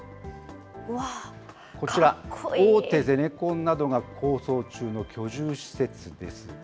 こちら、大手ゼネコンなどが構想中の居住施設です。